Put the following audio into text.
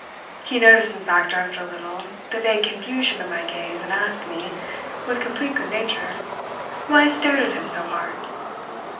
He noticed in fact after a little the vague confusion of my gaze and asked me with complete good nature why I stared at him so hard.